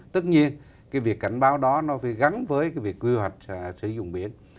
tất nhiên cái việc cảnh báo đó nó phải gắn với cái việc quy hoạch sử dụng biển